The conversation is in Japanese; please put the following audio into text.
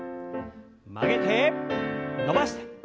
曲げて伸ばして。